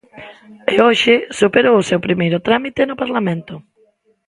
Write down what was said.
E hoxe superou o seu primeiro trámite no Parlamento.